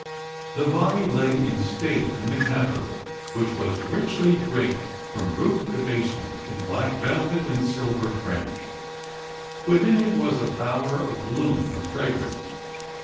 The body lay in state in the Capitol, which was richly draped from roof to basement in black velvet and silver fringe ; within it was a bower of bloom and fragrance.